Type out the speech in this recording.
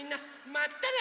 まったね！